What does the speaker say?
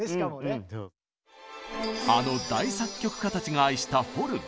あの大作曲家たちが愛したホルン。